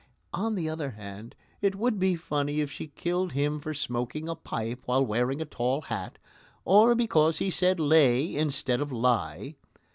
On the other hand, it would be funny if she killed him for smoking a pipe while wearing a tall hat, or because he said "lay" instead of "lie."